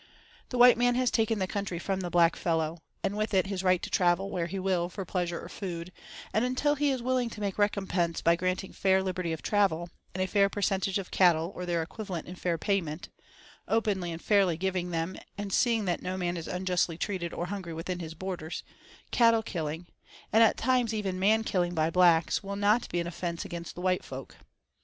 The white man has taken the country from the black fellow, and with it his right to travel where he will for pleasure or food, and until he is willing to make recompense by granting fair liberty of travel, and a fair percentage of cattle or their equivalent in fair payment—openly and fairly giving them, and seeing that no man is unjustly treated or hungry within his borders—cattle killing, and at times even man killing by blacks, will not be an offence against the white folk.